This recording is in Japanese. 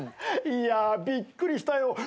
いやびっくりしたよ。